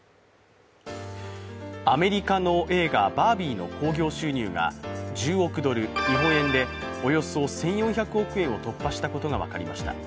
アメリカの映画「バービー」の興行収入が１０億ドル日本円でおよそ１４００億円を突破したことが分かりました。